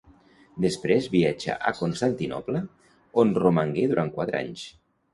Després viatjà a Constantinoble, on romangué durant quatre anys.